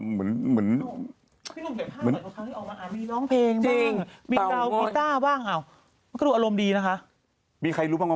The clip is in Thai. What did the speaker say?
หน้าจอกับหลังจรความอมหิตมันเหมือนกัน